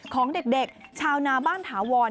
ของเด็กชาวนาบ้านถาวร